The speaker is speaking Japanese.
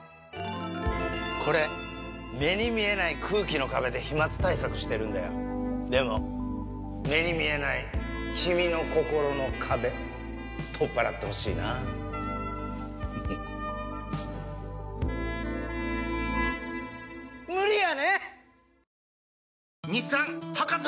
これ目に見えない空気の壁で飛沫対策してるんだよでも目に見えない君の心の壁取っ払ってほしいなフフっ無理やね！